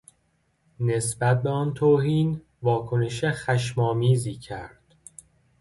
نسبت به آن توهین واکنش خشمآمیزی کرد.